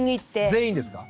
全員ですか？